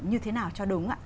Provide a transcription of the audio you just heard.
như thế nào cho đúng